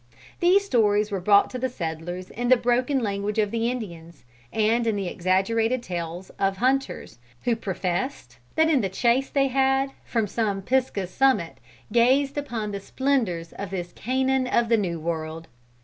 These stories were brought to the settlers in the broken language of the Indians, and in the exaggerated tales of hunters, who professed that in the chase they had, from some Pisgah's summit, gazed upon the splendors of this Canaan of the New World.